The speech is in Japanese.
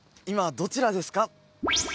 今どちらですか？